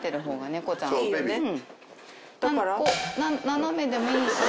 斜めでもいいし。